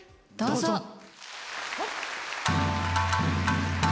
どうぞ。